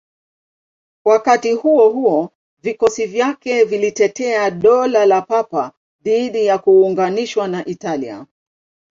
Wakati huo huo, vikosi vyake vilitetea Dola la Papa dhidi ya kuunganishwa na Italia.